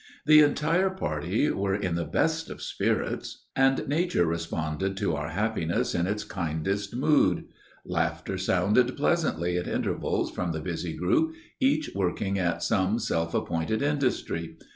The entire party were in the best of spirits, and nature responded to our happiness in its kindest mood. Laughter sounded pleasantly at intervals from the busy groups, each working at some self appointed industry.